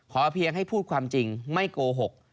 เพียงให้พูดความจริงไม่โกหก